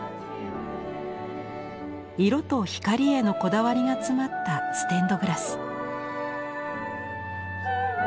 色と光へのこだわりが詰まったステンドグラス。